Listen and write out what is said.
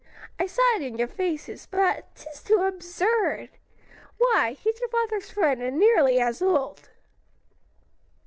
I saw it in your faces; but, 'tis too absurd! Why, he's your father's friend, and nearly as old."